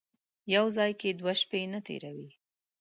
یو ځای کې دوې شپې نه تېروي.